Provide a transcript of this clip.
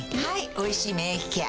「おいしい免疫ケア」